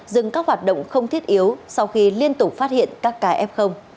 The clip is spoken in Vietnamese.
dừng các hoạt động không thiết yếu sau khi liên tục phát hiện các kf